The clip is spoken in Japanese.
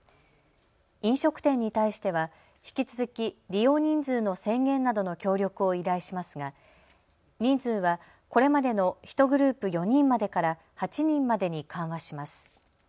飲食店に対しては引き続き利用人数の制限などの協力を依頼しますが人数はこれまでの１グループ４人までから８人までに緩和します。